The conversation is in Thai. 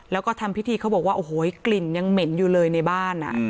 แล้วก็ทำพิธีเขาบอกว่าโอ้โหกลิ่นยังเหม็นอยู่เลยในบ้าน